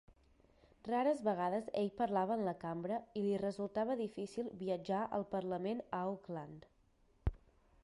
Rares vegades ell parlava en la cambra i li resultava difícil viatjar al parlament a Auckland.